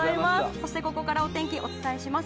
そして、ここからお天気お伝えします。